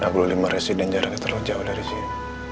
aglo lima residen jaraknya terlalu jauh dari sini